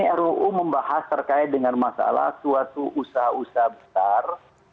ini ruu membahas terkait dengan masalah suatu usaha usaha besar